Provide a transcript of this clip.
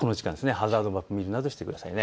ハザードマップを見るなどしてください。